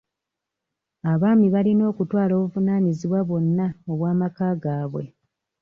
Abaami balina okutwala obuvunaanyibwa bwonna obw'amaka gaabwe.